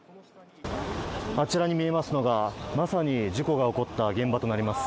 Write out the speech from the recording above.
あちらに見えますのがまさに事故が起こった現場となります。